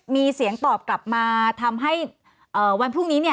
มีเสียงตอบกลับมาทำให้วันพรุ่งนี้